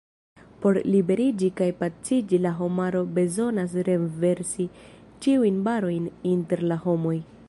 Por liberiĝi kaj paciĝi la homaro bezonas renversi ĉiujn barojn inter la homoj.